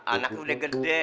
anaknya udah gede